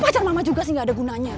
pacar mama juga sih tidak ada gunanya